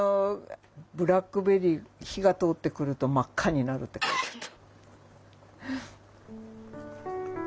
ブラックベリー火が通ってくると真っ赤になるって書いてあった。